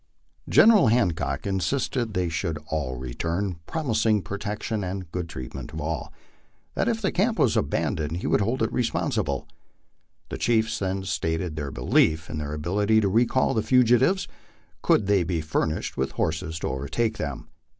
General Hancock insisted that they should all return, promising protection and good treatment to all ; that if the camp was abandoned he would hold it respon sible. The chiefs then stated their belief in their ability to recall the fugitives, could they be furnished with horses to overtake them.